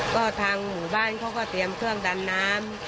ก็ทางหมู่บ้านเขาก็เตรียมเครื่องดันน้ำ